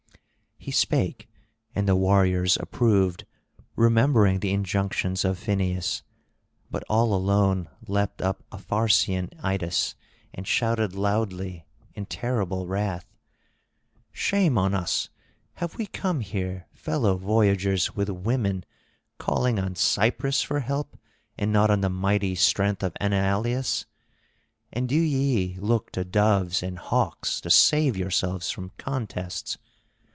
He spake, and the warriors approved, remembering the injunctions of Phineus; but all alone leapt up Apharcian Idas and shouted loudly in terrible wrath: "Shame on us, have we come here fellow voyagers with women, calling on Cypris for help and not on the mighty strength of Enyalius? And do ye look to doves and hawks to save yourselves from contests?